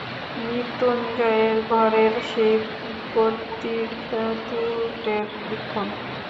মৃত্যুঞ্জয়ের ঘরের সেই পৈতৃক তুলটের লিখন!